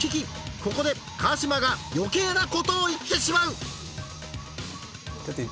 ここで川島が余計な事を言ってしまう言っ